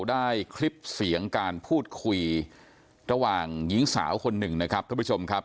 ได้คลิปเสียงการพูดคุยระหว่างหญิงสาวคน๑นะครับกระปธิบกันครับ